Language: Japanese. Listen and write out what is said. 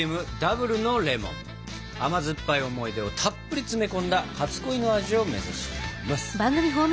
甘酸っぱい思い出をたっぷり詰め込んだ初恋の味を目指します！